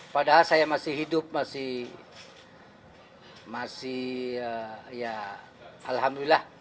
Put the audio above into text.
padahal saya masih hidup masih ya alhamdulillah